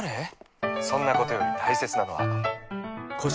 そんなことより大切なのは